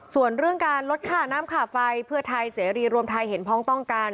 ส่วนเรื่องการลดค่าน้ำค่าไฟเพื่อไทยเสรีรวมไทยเห็นพ้องต้องการ